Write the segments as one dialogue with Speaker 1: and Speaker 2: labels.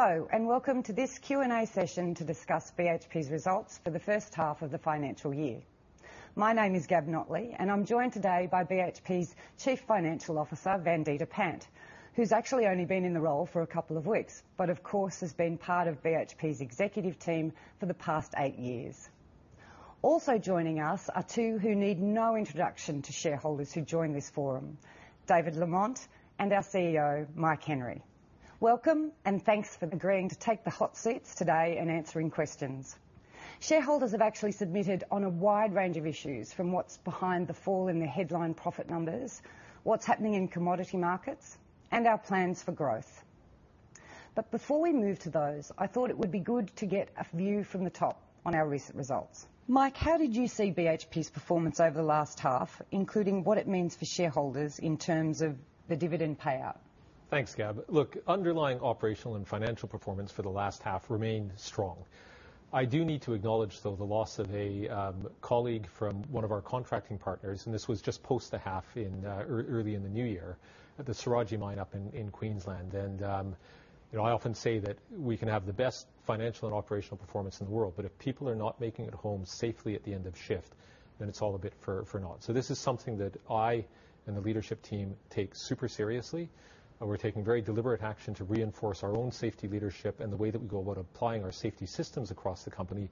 Speaker 1: Hello, and welcome to this Q&A session to discuss BHP's results for the first half of the financial year. My name is Gab Notley, and I'm joined today by BHP's Chief Financial Officer, Vandita Pant, who's actually only been in the role for a couple of weeks, but of course, has been part of BHP's executive team for the past eight years. Also joining us are two who need no introduction to shareholders who join this forum, David Lamont and our CEO, Mike Henry. Welcome, and thanks for agreeing to take the hot seats today and answering questions. Shareholders have actually submitted on a wide range of issues, from what's behind the fall in the headline profit numbers, what's happening in commodity markets, and our plans for growth. But before we move to those, I thought it would be good to get a view from the top on our recent results. Mike, how did you see BHP's performance over the last half, including what it means for shareholders in terms of the dividend payout?
Speaker 2: Thanks, Gab. Look, underlying operational and financial performance for the last half remained strong. I do need to acknowledge, though, the loss of a colleague from one of our contracting partners, and this was just post the half in early in the new year, at the Saraji mine up in Queensland. You know, I often say that we can have the best financial and operational performance in the world, but if people are not making it home safely at the end of shift, then it's all a bit for naught. So this is something that I and the leadership team take super seriously, and we're taking very deliberate action to reinforce our own safety leadership and the way that we go about applying our safety systems across the company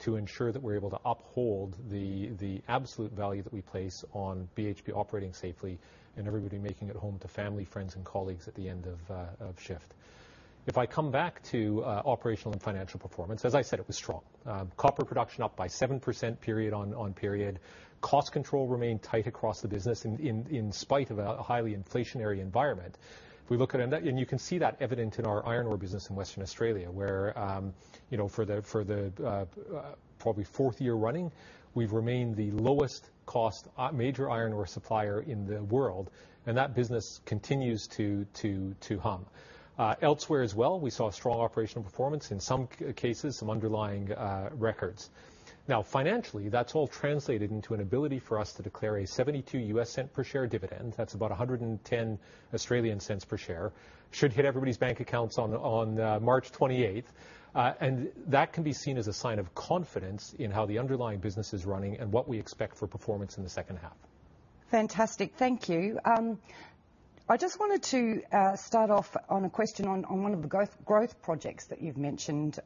Speaker 2: to ensure that we're able to uphold the absolute value that we place on BHP operating safely, and everybody making it home to family, friends, and colleagues at the end of shift. If I come back to operational and financial performance, as I said, it was strong. Copper production up by 7% period on period. Cost control remained tight across the business in spite of a highly inflationary environment. If we look at that... You can see that evident in our iron ore business in Western Australia, where you know, for the probably fourth year running, we've remained the lowest cost major iron ore supplier in the world, and that business continues to hum. Elsewhere as well, we saw strong operational performance, in some cases, some underlying records. Now, financially, that's all translated into an ability for us to declare a $0.72 per share dividend. That's about 1.10 per share. Should hit everybody's bank accounts on March 28th. And that can be seen as a sign of confidence in how the underlying business is running and what we expect for performance in the second half.
Speaker 1: Fantastic. Thank you. I just wanted to start off on a question on one of the growth projects that you've mentioned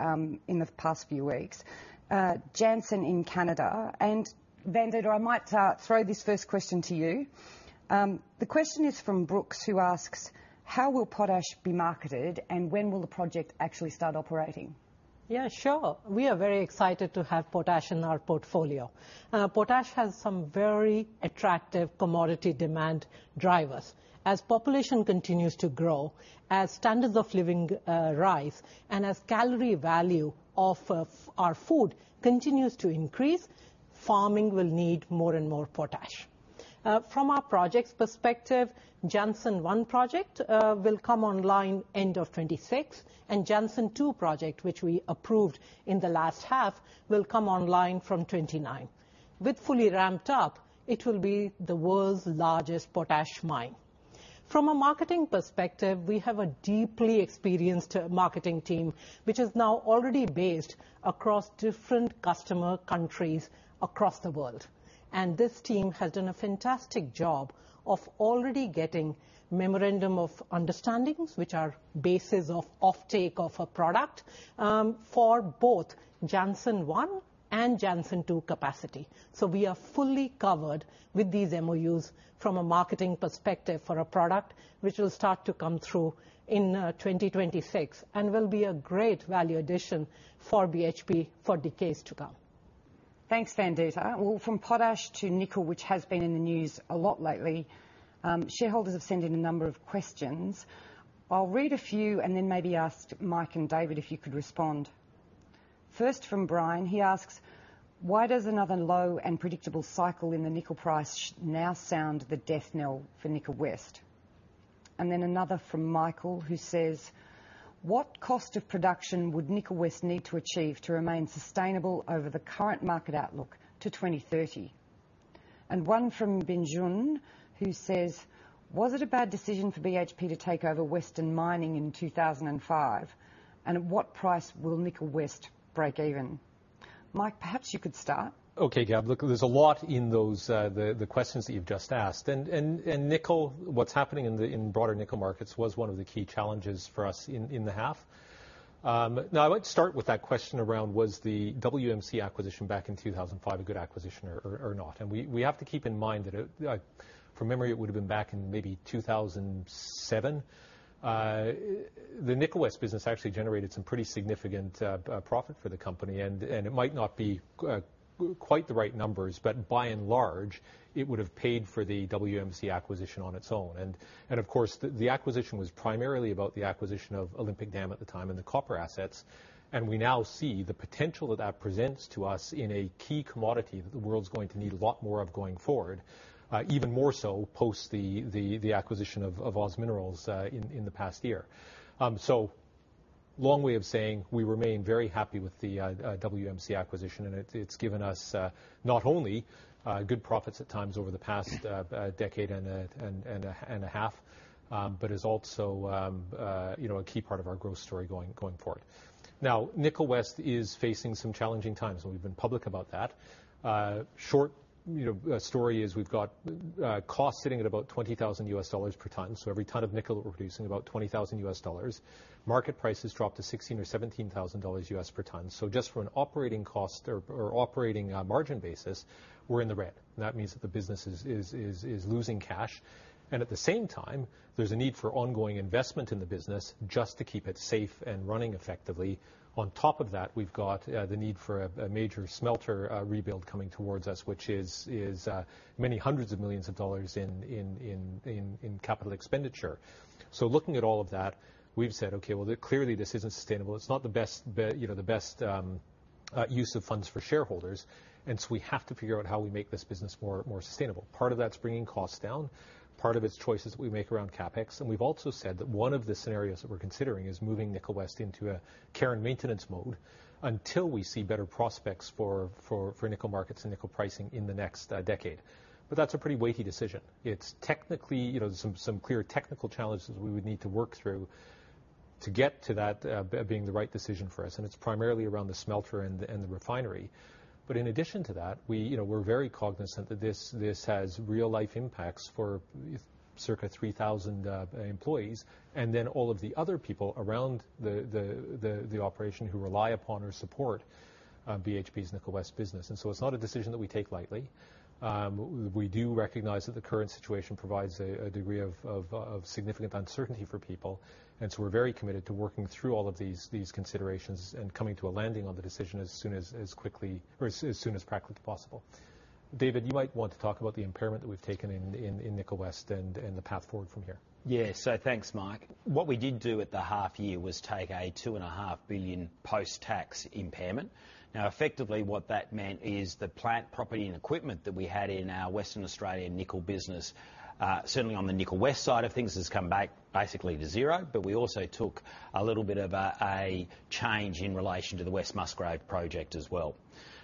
Speaker 1: in the past few weeks, Jansen in Canada. And Vandita, I might throw this first question to you. The question is from Brooks, who asks, "How will potash be marketed, and when will the project actually start operating?
Speaker 3: Yeah, sure. We are very excited to have potash in our portfolio. Potash has some very attractive commodity demand drivers. As population continues to grow, as standards of living, rise, and as calorie value of, our food continues to increase, farming will need more and more potash. From our projects perspective, Jansen One project, will come online end of 2026, and Jansen Two project, which we approved in the last half, will come online from 2029. With fully ramped up, it will be the world's largest potash mine. From a marketing perspective, we have a deeply experienced marketing team, which is now already based across different customer countries across the world. And this team has done a fantastic job of already getting memorandum of understandings, which are bases of offtake of a product, for both Jansen One and Jansen Two capacity. We are fully covered with these MOUs from a marketing perspective for a product which will start to come through in 2026 and will be a great value addition for BHP for decades to come.
Speaker 1: Thanks, Vandita. Well, from potash to nickel, which has been in the news a lot lately, shareholders have sent in a number of questions. I'll read a few and then maybe ask Mike and David if you could respond. First from Brian, he asks: Why does another low and predictable cycle in the nickel price now sound the death knell for Nickel West? And then another from Michael, who says: What cost of production would Nickel West need to achieve to remain sustainable over the current market outlook to 2030? And one from Benjun, who says: Was it a bad decision for BHP to take over Western Mining in 2005? And at what price will Nickel West break even? Mike, perhaps you could start.
Speaker 2: Okay, Gab. Look, there's a lot in those, the questions that you've just asked. And nickel, what's happening in the broader nickel markets was one of the key challenges for us in the half. Now I would start with that question around, was the WMC acquisition back in 2005 a good acquisition or not? And we have to keep in mind that it, like, from memory, it would've been back in maybe 2007. The Nickel West business actually generated some pretty significant profit for the company, and it might not be quite the right numbers, but by and large, it would've paid for the WMC acquisition on its own. Of course, the acquisition was primarily about the acquisition of Olympic Dam at the time and the copper assets, and we now see the potential that that presents to us in a key commodity that the world's going to need a lot more of going forward, even more so post the acquisition of OZ Minerals in the past year. So long way of saying we remain very happy with the WMC acquisition, and it's given us not only good profits at times over the past decade and a half, but is also, you know, a key part of our growth story going forward. Now, Nickel West is facing some challenging times, and we've been public about that. Short, you know, story is we've got costs sitting at about $20,000 per ton. So every ton of nickel that we're producing, about $20,000. Market price has dropped to $16,000-$17,000 per ton. So just from an operating cost or operating margin basis, we're in the red, and that means that the business is losing cash. And at the same time, there's a need for ongoing investment in the business just to keep it safe and running effectively. On top of that, we've got the need for a major smelter rebuild coming towards us, which is many hundreds of millions of dollars in capital expenditure. So looking at all of that, we've said, "Okay, well, clearly, this isn't sustainable. It's not the best, you know, the best use of funds for shareholders, and so we have to figure out how we make this business more sustainable." Part of that's bringing costs down, part of it's choices we make around CapEx. And we've also said that one of the scenarios that we're considering is moving Nickel West into a care and maintenance mode until we see better prospects for nickel markets and nickel pricing in the next decade. But that's a pretty weighty decision. It's technically... You know, there's some clear technical challenges we would need to work through to get to that being the right decision for us, and it's primarily around the smelter and the refinery. But in addition to that, we, you know, we're very cognizant that this has real-life impacts for circa 3,000 employees, and then all of the other people around the operation who rely upon or support BHP's Nickel West business. And so it's not a decision that we take lightly. We do recognize that the current situation provides a degree of significant uncertainty for people, and so we're very committed to working through all of these considerations and coming to a landing on the decision as soon as, as quickly or as, as soon as practically possible. David, you might want to talk about the impairment that we've taken in Nickel West and the path forward from here.
Speaker 4: Yeah. So thanks, Mike. What we did do at the half year was take a $2.5 billion post-tax impairment. Now, effectively, what that meant is the plant, property, and equipment that we had in our Western Australian nickel business, certainly on the Nickel West side of things, has come back basically to zero. But we also took a little bit of a change in relation to the West Musgrave project as well.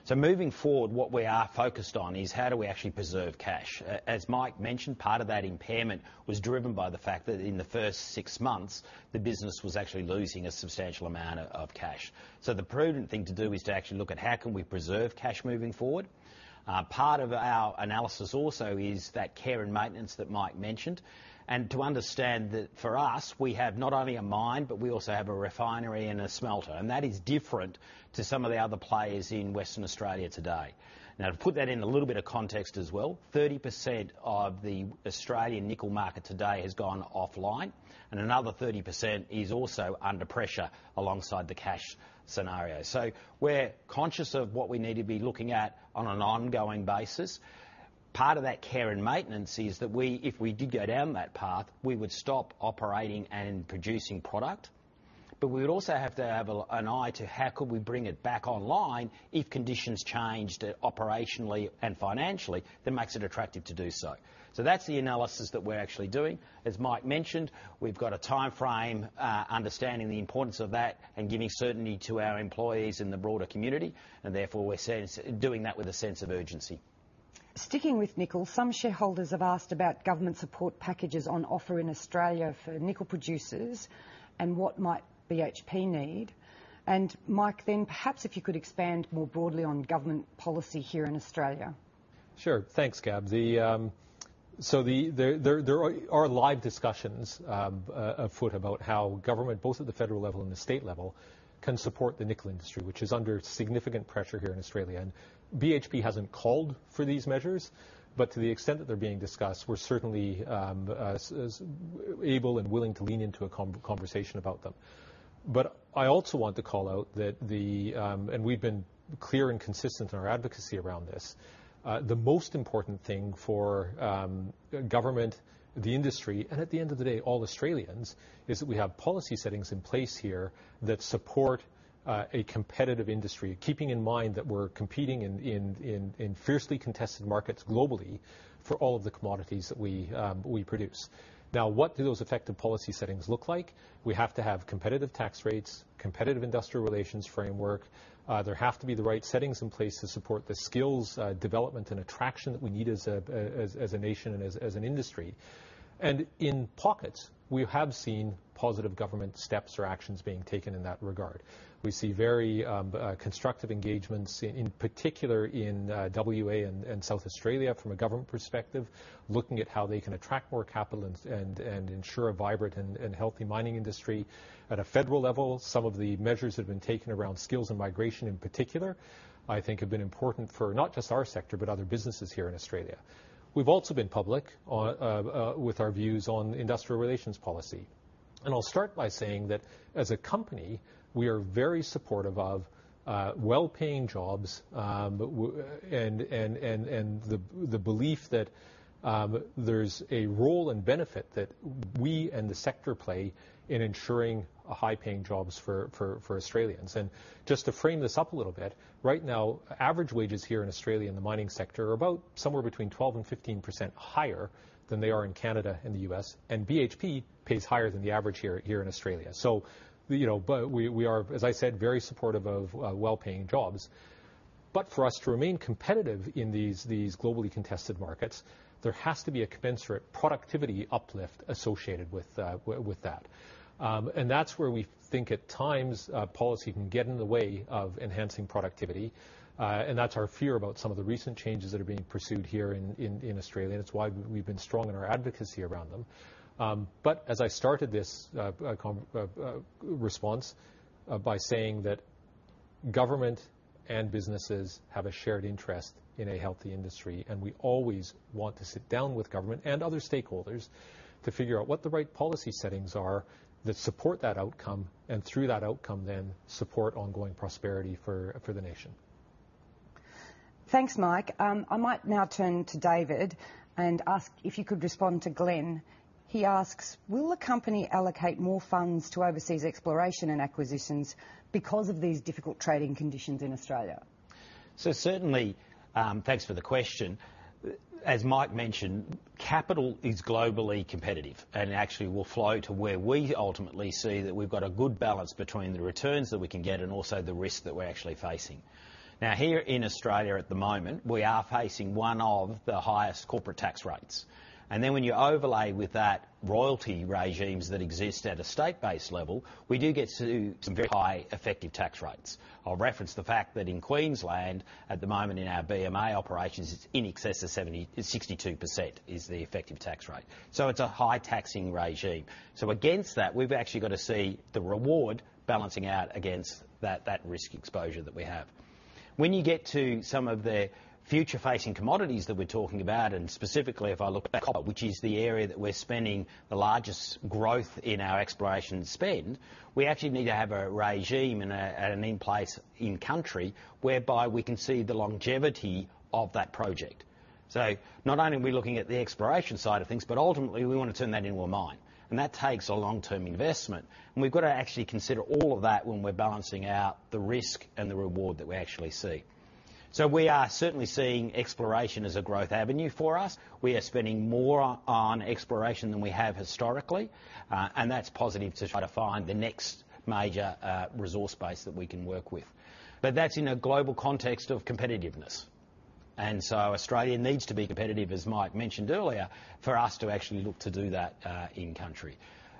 Speaker 4: So moving forward, what we are focused on is how do we actually preserve cash? As Mike mentioned, part of that impairment was driven by the fact that in the first six months, the business was actually losing a substantial amount of cash. So the prudent thing to do is to actually look at how can we preserve cash moving forward. Part of our analysis also is that care and maintenance that Mike mentioned, and to understand that for us, we have not only a mine, but we also have a refinery and a smelter, and that is different to some of the other players in Western Australia today. Now, to put that in a little bit of context as well, 30% of the Australian nickel market today has gone offline, and another 30% is also under pressure alongside the cash scenario. So we're conscious of what we need to be looking at on an ongoing basis. Part of that care and maintenance is that we, if we did go down that path, we would stop operating and producing product, but we would also have to have an eye to how could we bring it back online if conditions changed operationally and financially, that makes it attractive to do so. So that's the analysis that we're actually doing. As Mike mentioned, we've got a timeframe, understanding the importance of that and giving certainty to our employees and the broader community, and therefore, we're sensing, doing that with a sense of urgency.
Speaker 1: Sticking with nickel, some shareholders have asked about government support packages on offer in Australia for nickel producers, and what might BHP need? And Mike, then perhaps if you could expand more broadly on government policy here in Australia.
Speaker 2: Sure. Thanks, Gab. So there are live discussions afoot about how government, both at the federal level and the state level, can support the nickel industry, which is under significant pressure here in Australia. And BHP hasn't called for these measures, but to the extent that they're being discussed, we're certainly as able and willing to lean into a conversation about them. But I also want to call out that. And we've been clear and consistent in our advocacy around this. The most important thing for government, the industry, and at the end of the day, all Australians, is that we have policy settings in place here that support a competitive industry. Keeping in mind that we're competing in fiercely contested markets globally for all of the commodities that we produce. Now, what do those effective policy settings look like? We have to have competitive tax rates, competitive industrial relations framework. There have to be the right settings in place to support the skills development, and attraction that we need as a nation and as an industry. And in pockets, we have seen positive government steps or actions being taken in that regard. We see very constructive engagements, in particular in WA and South Australia from a government perspective, looking at how they can attract more capital and ensure a vibrant and healthy mining industry. At a federal level, some of the measures that have been taken around skills and migration in particular, I think have been important for not just our sector, but other businesses here in Australia. We've also been public on with our views on industrial relations policy, and I'll start by saying that as a company, we are very supportive of well-paying jobs and the belief that there's a role and benefit that we and the sector play in ensuring a high-paying jobs for Australians. And just to frame this up a little bit, right now, average wages here in Australia in the mining sector are about somewhere between 12%-15% higher than they are in Canada and the U.S., and BHP pays higher than the average here in Australia. So, you know, but we are, as I said, very supportive of well-paying jobs.... But for us to remain competitive in these globally contested markets, there has to be a commensurate productivity uplift associated with that. And that's where we think at times policy can get in the way of enhancing productivity. And that's our fear about some of the recent changes that are being pursued here in Australia, and it's why we've been strong in our advocacy around them. But as I started this response by saying that government and businesses have a shared interest in a healthy industry, and we always want to sit down with government and other stakeholders to figure out what the right policy settings are that support that outcome, and through that outcome then support ongoing prosperity for the nation.
Speaker 1: Thanks, Mike. I might now turn to David and ask if you could respond to Glenn. He asks, "Will the company allocate more funds to overseas exploration and acquisitions because of these difficult trading conditions in Australia?
Speaker 4: So certainly, thanks for the question. As Mike mentioned, capital is globally competitive and actually will flow to where we ultimately see that we've got a good balance between the returns that we can get and also the risk that we're actually facing. Now, here in Australia at the moment, we are facing one of the highest corporate tax rates, and then when you overlay with that royalty regimes that exist at a state-based level, we do get to some very high effective tax rates. I'll reference the fact that in Queensland, at the moment in our BMA operations, it's in excess of 62% is the effective tax rate. So it's a high taxing regime. So against that, we've actually got to see the reward balancing out against that, that risk exposure that we have. When you get to some of the future-facing commodities that we're talking about, and specifically, if I look at copper, which is the area that we're spending the largest growth in our exploration spend, we actually need to have a regime and an in-place in-country, whereby we can see the longevity of that project. So not only are we looking at the exploration side of things, but ultimately we want to turn that into a mine, and that takes a long-term investment, and we've got to actually consider all of that when we're balancing out the risk and the reward that we actually see. So we are certainly seeing exploration as a growth avenue for us. We are spending more on exploration than we have historically, and that's positive to try to find the next major resource base that we can work with. But that's in a global context of competitiveness, and so Australia needs to be competitive, as Mike mentioned earlier, for us to actually look to do that, in country.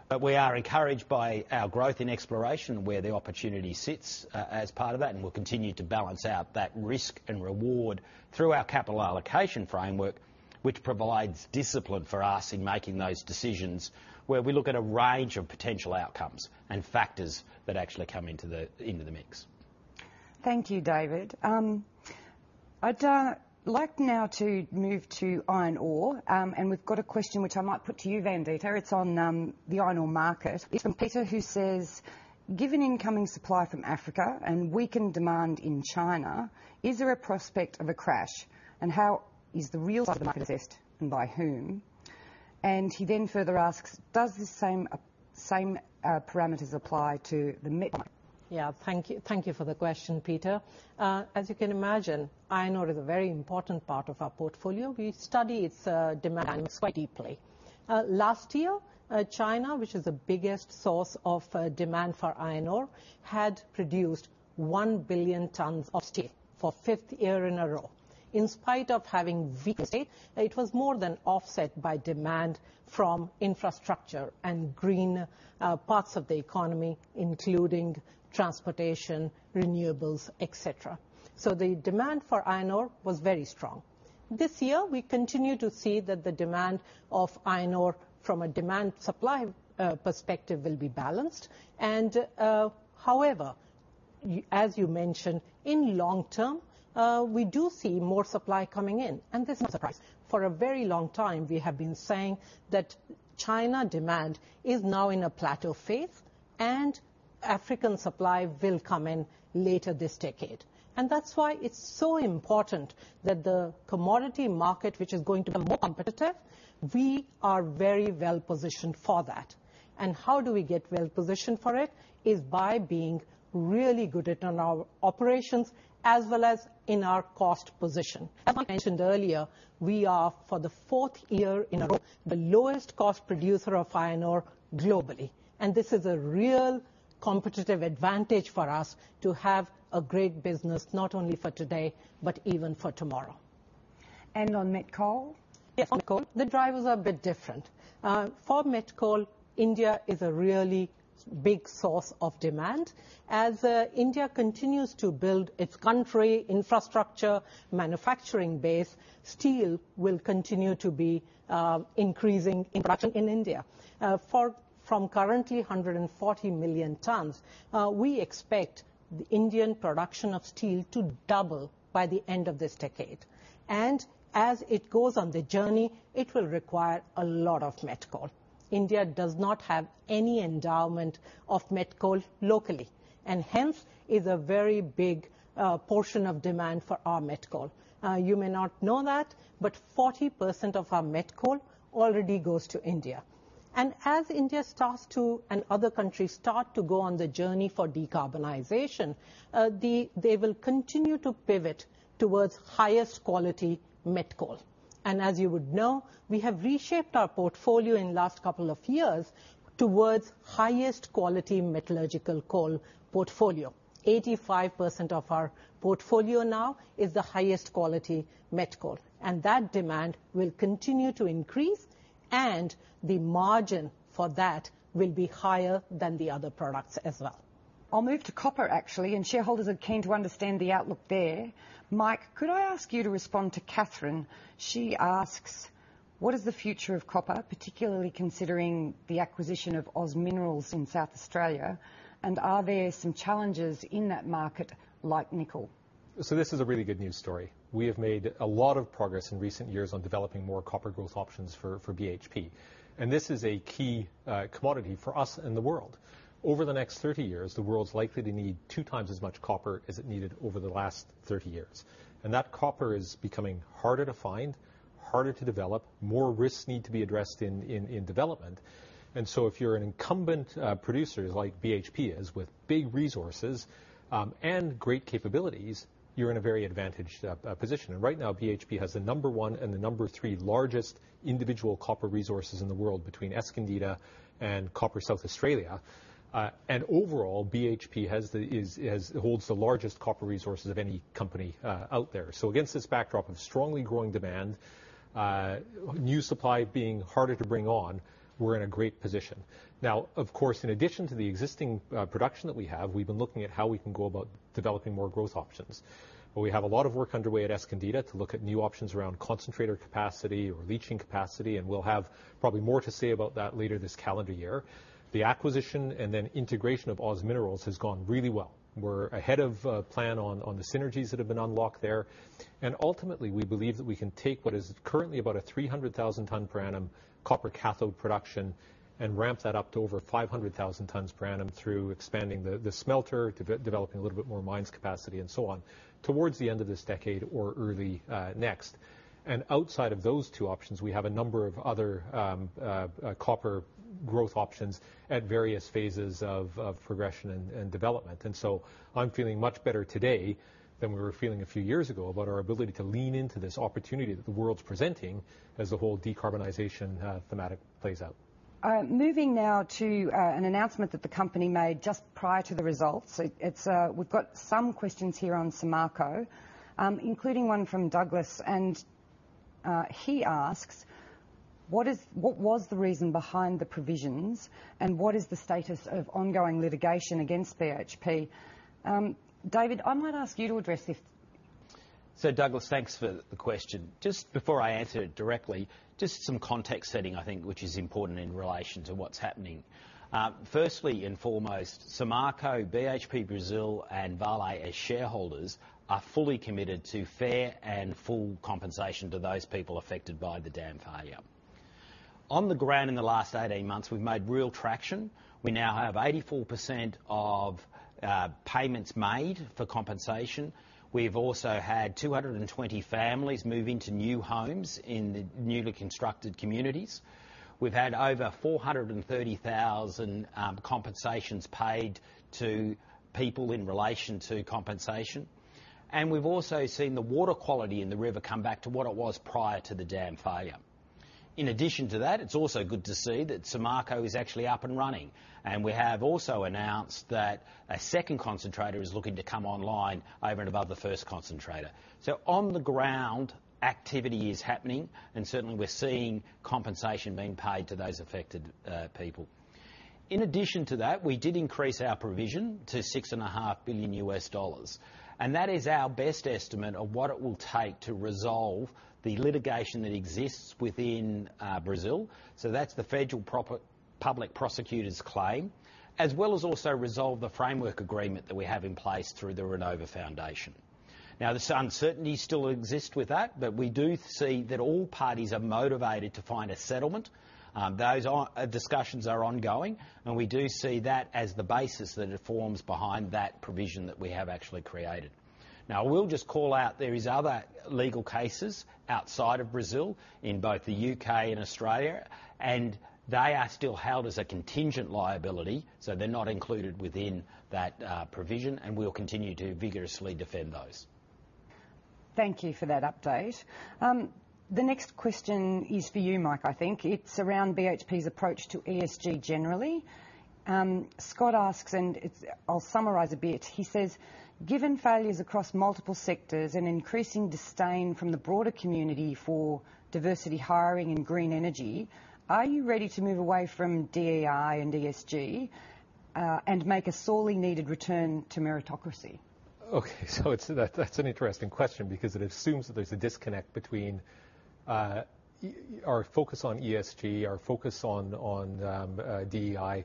Speaker 4: But we are encouraged by our growth in exploration, where the opportunity sits, as part of that, and we'll continue to balance out that risk and reward through our capital allocation framework, which provides discipline for us in making those decisions, where we look at a range of potential outcomes and factors that actually come into the, into the mix.
Speaker 1: Thank you, David. I'd like now to move to iron ore. We've got a question which I might put to you, Vandita. It's on the iron ore market. It's from Peter, who says, "Given incoming supply from Africa and weakened demand in China, is there a prospect of a crash, and how is the real side of the market assessed and by whom?" He then further asks, "Does the same parameters apply to the mid?
Speaker 3: Yeah. Thank you, thank you for the question, Peter. As you can imagine, iron ore is a very important part of our portfolio. We study its demand quite deeply. Last year, China, which is the biggest source of demand for iron ore, had produced 1 billion tons of steel for fifth year in a row. In spite of having this state, it was more than offset by demand from infrastructure and green parts of the economy, including transportation, renewables, et cetera. So the demand for iron ore was very strong. This year, we continue to see that the demand of iron ore from a demand-supply perspective will be balanced. However, as you mentioned, in long term, we do see more supply coming in, and this is a surprise. For a very long time, we have been saying that China demand is now in a plateau phase, and African supply will come in later this decade. And that's why it's so important that the commodity market, which is going to be more competitive, we are very well positioned for that. And how do we get well positioned for it? Is by being really good at on our operations as well as in our cost position. As I mentioned earlier, we are, for the fourth year in a row, the lowest cost producer of iron ore globally, and this is a real competitive advantage for us to have a great business, not only for today, but even for tomorrow.
Speaker 1: And on met coal?
Speaker 3: Yes, on met coal, the drivers are a bit different. For met coal, India is a really big source of demand. As India continues to build its country, infrastructure, manufacturing base, steel will continue to be increasing in production in India. From currently 140 million tons, we expect the Indian production of steel to double by the end of this decade, and as it goes on the journey, it will require a lot of met coal. India does not have any endowment of met coal locally, and hence is a very big portion of demand for our met coal. You may not know that, but 40% of our met coal already goes to India. As India starts to, and other countries start to go on the journey for decarbonization, they will continue to pivot towards highest quality met coal. As you would know, we have reshaped our portfolio in last couple of years towards highest quality metallurgical coal portfolio. 85% of our portfolio now is the highest quality met coal, and that demand will continue to increase, and the margin for that will be higher than the other products as well.
Speaker 1: I'll move to copper, actually, and shareholders are keen to understand the outlook there. Mike, could I ask you to respond to Catherine? She asks, "What is the future of copper, particularly considering the acquisition of Oz Minerals in South Australia? And are there some challenges in that market, like nickel?
Speaker 2: This is a really good news story. We have made a lot of progress in recent years on developing more copper growth options for BHP, and this is a key commodity for us and the world. Over the next 30 years, the world's likely to need two times as much copper as it needed over the last 30 years. That copper is becoming harder to find, harder to develop, more risks need to be addressed in development. So if you're an incumbent producer like BHP is, with big resources and great capabilities, you're in a very advantaged position. Right now, BHP has the number one and the number three largest individual copper resources in the world between Escondida and Copper South Australia. And overall, BHP holds the largest copper resources of any company out there. So against this backdrop of strongly growing demand, new supply being harder to bring on, we're in a great position. Now, of course, in addition to the existing production that we have, we've been looking at how we can go about developing more growth options. But we have a lot of work underway at Escondida to look at new options around concentrator capacity or leaching capacity, and we'll have probably more to say about that later this calendar year. The acquisition and then integration of OZ Minerals has gone really well. We're ahead of plan on the synergies that have been unlocked there. Ultimately, we believe that we can take what is currently about a 300,000 ton per annum copper cathode production, and ramp that up to over 500,000 tons per annum through expanding the smelter, developing a little bit more mines capacity and so on, towards the end of this decade or early next. And outside of those two options, we have a number of other copper growth options at various phases of progression and development. And so I'm feeling much better today than we were feeling a few years ago about our ability to lean into this opportunity that the world's presenting as the whole decarbonization thematic plays out.
Speaker 1: Moving now to an announcement that the company made just prior to the results. It's... We've got some questions here on Samarco, including one from Douglas, and he asks, "What was the reason behind the provisions, and what is the status of ongoing litigation against BHP?" David, I might ask you to address this.
Speaker 4: So, Douglas, thanks for the question. Just before I answer it directly, just some context setting, I think, which is important in relation to what's happening. Firstly and foremost, Samarco, BHP Brazil and Vale as shareholders, are fully committed to fair and full compensation to those people affected by the dam failure. On the ground in the last 18 months, we've made real traction. We now have 84% of payments made for compensation. We've also had 220 families move into new homes in the newly constructed communities. We've had over 430,000 compensations paid to people in relation to compensation. And we've also seen the water quality in the river come back to what it was prior to the dam failure. In addition to that, it's also good to see that Samarco is actually up and running, and we have also announced that a second concentrator is looking to come online over and above the first concentrator. So on the ground, activity is happening, and certainly we're seeing compensation being paid to those affected people. In addition to that, we did increase our provision to $6.5 billion, and that is our best estimate of what it will take to resolve the litigation that exists within Brazil. So that's the Federal Public Prosecutor's claim, as well as also resolve the framework agreement that we have in place through the Renova Foundation. Now, there's some uncertainties still exist with that, but we do see that all parties are motivated to find a settlement. Those discussions are ongoing, and we do see that as the basis that it forms behind that provision that we have actually created. Now, I will just call out, there is other legal cases outside of Brazil, in both the U.K. and Australia, and they are still held as a contingent liability, so they're not included within that provision, and we'll continue to vigorously defend those.
Speaker 1: Thank you for that update. The next question is for you, Mike, I think. It's around BHP's approach to ESG, generally. Scott asks, and it's, I'll summarize a bit. He says, "Given failures across multiple sectors and increasing disdain from the broader community for diversity, hiring and green energy, are you ready to move away from DEI and ESG, and make a sorely needed return to meritocracy?
Speaker 2: Okay, so it's, that, that's an interesting question because it assumes that there's a disconnect between our focus on ESG, our focus on DEI and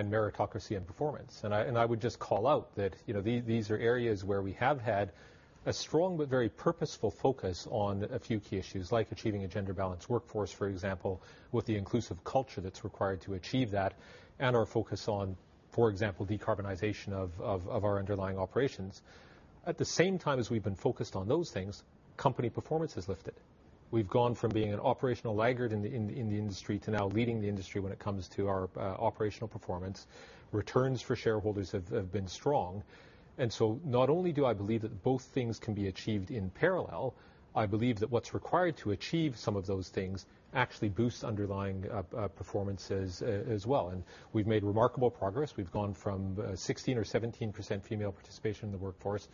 Speaker 2: meritocracy and performance. I would just call out that, you know, these are areas where we have had a strong but very purposeful focus on a few key issues, like achieving a gender-balanced workforce, for example, with the inclusive culture that's required to achieve that, and our focus on, for example, decarbonization of our underlying operations. At the same time as we've been focused on those things, company performance has lifted. We've gone from being an operational laggard in the industry to now leading the industry when it comes to our operational performance. Returns for shareholders have been strong. So not only do I believe that both things can be achieved in parallel, I believe that what's required to achieve some of those things actually boosts underlying performances as well. We've made remarkable progress. We've gone from 16 or 17% female participation in the workforce to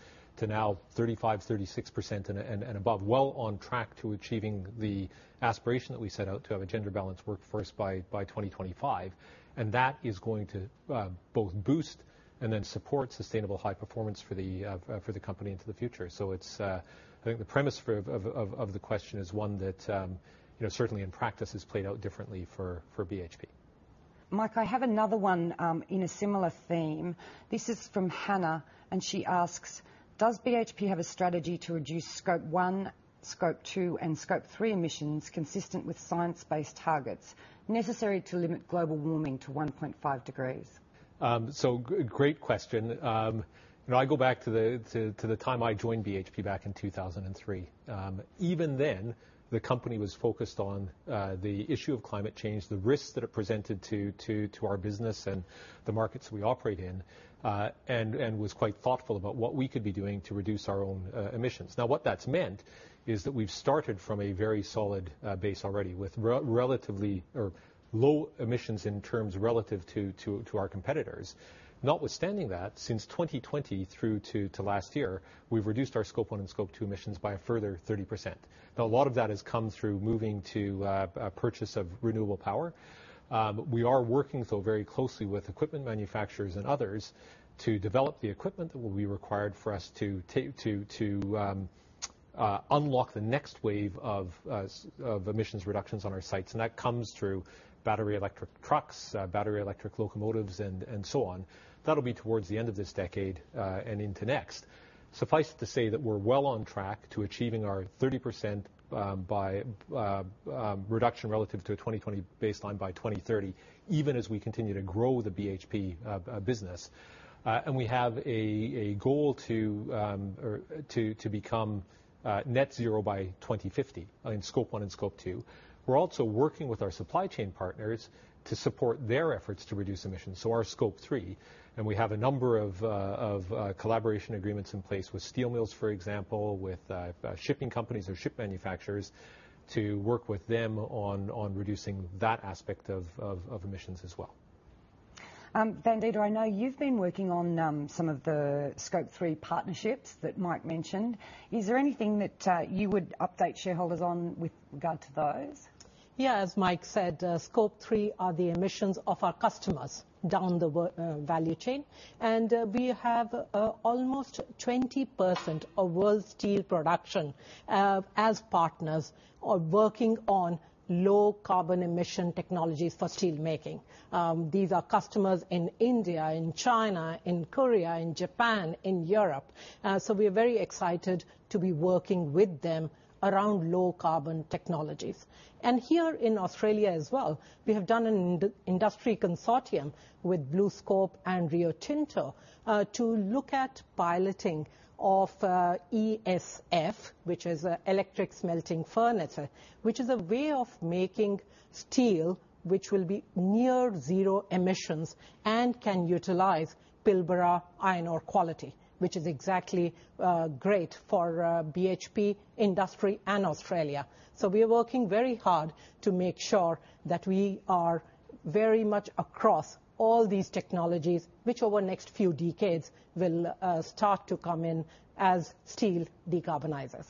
Speaker 2: now 35, 36% and above. Well on track to achieving the aspiration that we set out to have a gender-balanced workforce by 2025, and that is going to both boost and then support sustainable high performance for the company into the future. So it's, I think, the premise of the question is one that, you know, certainly in practice, has played out differently for BHP.
Speaker 1: Mike, I have another one, in a similar theme. This is from Hannah, and she asks: Does BHP have a strategy to reduce Scope one, Scope two, and Scope three emissions consistent with science-based targets necessary to limit global warming to 1.5 degrees?
Speaker 2: So great question. You know, I go back to the time I joined BHP back in 2003. Even then, the company was focused on the issue of climate change, the risks that it presented to our business and the markets we operate in, and was quite thoughtful about what we could be doing to reduce our own emissions. Now, what that's meant is that we've started from a very solid base already, with relatively low emissions in terms relative to our competitors. Notwithstanding that, since 2020 through to last year, we've reduced our Scope one and Scope two emissions by a further 30%. Now, a lot of that has come through moving to purchase of renewable power. We are working, though, very closely with equipment manufacturers and others to develop the equipment that will be required for us to unlock the next wave of emissions reductions on our sites, and that comes through battery electric trucks, battery electric locomotives, and so on. That'll be towards the end of this decade, and into next. Suffice it to say that we're well on track to achieving our 30% reduction relative to a 2020 baseline by 2030, even as we continue to grow the BHP business. And we have a goal to become net zero by 2050 in Scope one and Scope 2. We're also working with our supply chain partners to support their efforts to reduce emissions, so our Scope three, and we have a number of collaboration agreements in place with steel mills, for example, with shipping companies or ship manufacturers, to work with them on reducing that aspect of emissions as well.
Speaker 1: Vandita, I know you've been working on some of the Scope three partnerships that Mike mentioned. Is there anything that you would update shareholders on with regard to those?
Speaker 3: Yeah, as Mike said, Scope three are the emissions of our customers down the value chain, and we have almost 20% of world steel production as partners working on low carbon emission technologies for steelmaking. These are customers in India, in China, in Korea, in Japan, in Europe. So we are very excited to be working with them around low carbon technologies. And here in Australia as well, we have done an in-industry consortium with BlueScope and Rio Tinto to look at piloting of ESF, which is a electric smelting furnace, which is a way of making steel, which will be near zero emissions and can utilize Pilbara iron ore quality, which is exactly great for BHP, industry, and Australia. We are working very hard to make sure that we are very much across all these technologies, which over the next few decades, will start to come in as steel decarbonizes.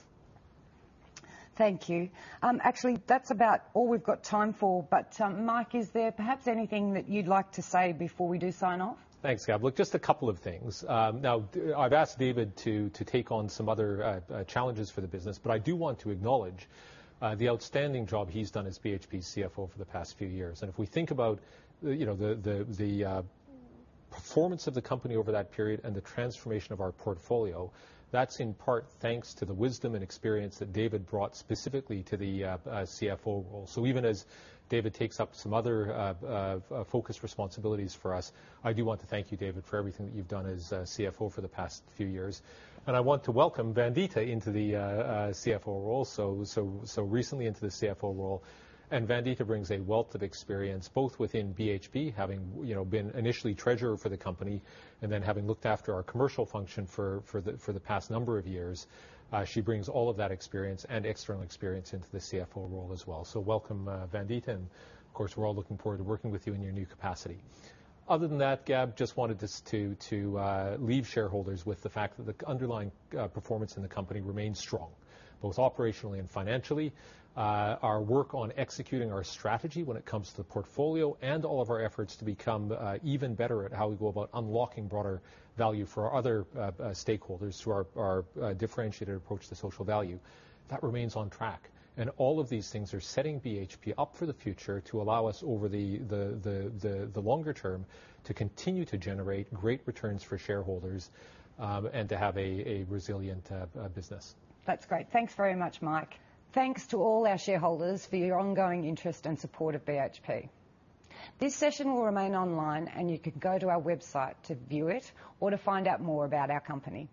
Speaker 1: Thank you. Actually, that's about all we've got time for, but, Mike, is there perhaps anything that you'd like to say before we do sign off?
Speaker 2: Thanks, Gab. Look, just a couple of things. Now, I've asked David to take on some other challenges for the business, but I do want to acknowledge the outstanding job he's done as BHP CFO for the past few years. And if we think about, you know, the performance of the company over that period and the transformation of our portfolio, that's in part thanks to the wisdom and experience that David brought specifically to the CFO role. So even as David takes up some other focused responsibilities for us, I do want to thank you, David, for everything that you've done as CFO for the past few years. I want to welcome Vandita into the CFO role so recently into the CFO role, and Vandita brings a wealth of experience both within BHP, having, you know, been initially treasurer for the company and then having looked after our commercial function for the past number of years. She brings all of that experience and external experience into the CFO role as well. So welcome, Vandita, and of course, we're all looking forward to working with you in your new capacity. Other than that, Gab, just wanted us to leave shareholders with the fact that the underlying performance in the company remains strong, both operationally and financially. Our work on executing our strategy when it comes to portfolio and all of our efforts to become even better at how we go about unlocking broader value for our other stakeholders, through our differentiated approach to social value, that remains on track. All of these things are setting BHP up for the future to allow us over the longer term, to continue to generate great returns for shareholders, and to have a resilient business.
Speaker 1: That's great. Thanks very much, Mike. Thanks to all our shareholders for your ongoing interest and support of BHP. This session will remain online, and you can go to our website to view it or to find out more about our company.